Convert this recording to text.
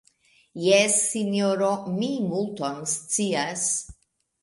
Jes, sinjoro, mi multon scias.